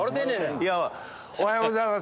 いや、おはようございます。